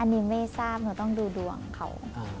อันนี้ไม่ทราบหนูต้องดูดวงเขา